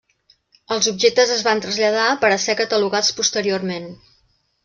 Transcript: Els objectes es van traslladar per a ser catalogats posteriorment.